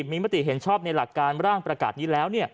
มีมติเห็นชอบในหลักการร่างประกาศนี้แล้ว